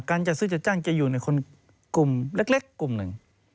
จัดซื้อจัดจ้างจะอยู่ในคนกลุ่มเล็กกลุ่มหนึ่ง